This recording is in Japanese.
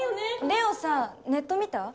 れおさネット見た？